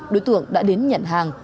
đối tượng đã đến nhận hàng